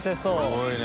すごいね。